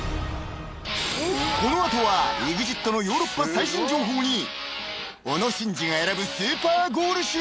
［この後はＥＸＩＴのヨーロッパ最新情報に小野伸二が選ぶスーパーゴール集］